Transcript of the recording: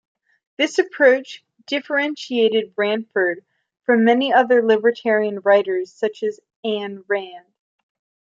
This approach differentiated Bradford from many other libertarian writers such as Ayn Rand.